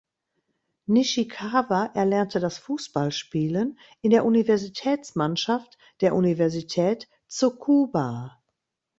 Nishikawa erlernte das Fußballspielen in der Universitätsmannschaft der Universität Tsukuba.